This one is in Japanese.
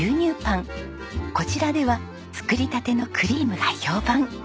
こちらでは作りたてのクリームが評判。